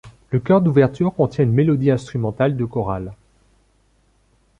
Le chœur d'ouverture contient une mélodie instrumentale de choral.